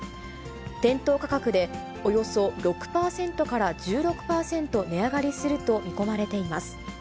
店頭価格でおよそ６％から１６％値上がりすると見込まれています。